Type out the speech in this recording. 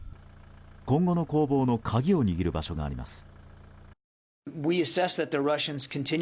今後の攻防の鍵を握る場所があります。